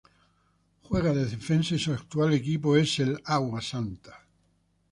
Juega de defensa y su actual equipo es el Água Santa.